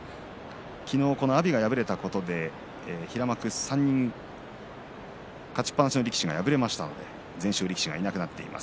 昨日、阿炎が敗れたことで平幕３人勝ちっぱなしの力士が敗れましたので全勝力士がいなくなっています。